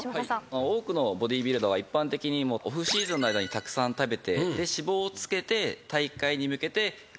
多くのボディビルダーは一般的にオフシーズンの間にたくさん食べて脂肪をつけて大会に向けて減量。